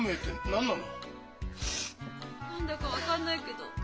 何だか分かんないけど悲しそう！